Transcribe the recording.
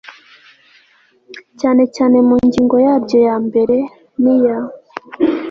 cyane cyane mu ngingo yaryo ya mbere n iya